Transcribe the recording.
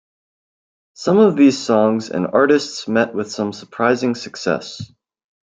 Some of these songs and artists met with some surprising success.